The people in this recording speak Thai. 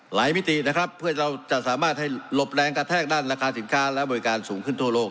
มิตินะครับเพื่อเราจะสามารถให้หลบแรงกระแทกด้านราคาสินค้าและบริการสูงขึ้นทั่วโลก